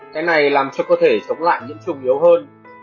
thế này làm cho cơ thể sống lại những trùng yếu hơn